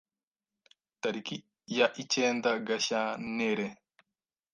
tariki ya icyenda Gashyantere